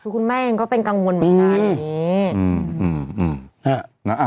คุณแม่ก็ยังเป็นกังวลอย่างนี้